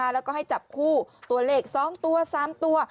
แล้วให้จับคู่ตัวเลขสองตัวสามตัว